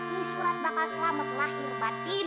ini surat bakal selamat lahir batin